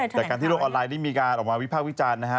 จากการที่โลกออนไลน์ได้มีการออกมาวิภาควิจารณ์นะฮะ